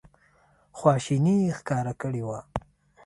خواشیني ښکاره کړې وه.